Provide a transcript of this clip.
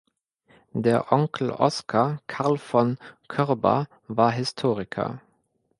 Der Onkel Oskar Carl von Körber war Historiker.